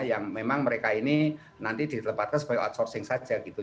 yang memang mereka ini nanti ditempatkan sebagai outsourcing saja gitu